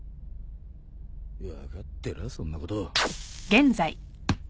分かってらそんなこと。